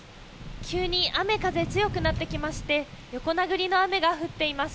急に雨風強くなってきまして、横殴りの雨が降っています。